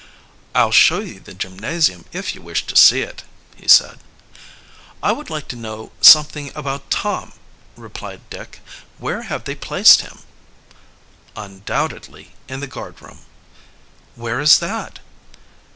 "I'll show you the gymnasium, if you wish to see it," he said. "I would like to know something about Tom," replied Dick. "Where have they placed him?" "Undoubtedly in the guardroom." "Where is that?"